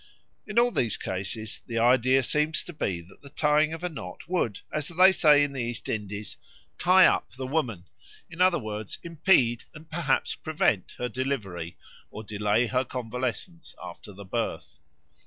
In all these cases the idea seems to be that the tying of a knot would, as they say in the East Indies, "tie up" the woman, in other words, impede and perhaps prevent her delivery, or delay her convalescence after the birth.